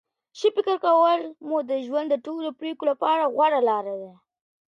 ښه فکر کول مو د ژوند د ټولو پریکړو لپاره غوره لاره ده.